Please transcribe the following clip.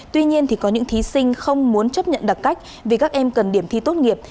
tuy nhiên có những thí sinh không muốn chấp nhận đặc cách vì các em cần điểm thi tốt nghiệp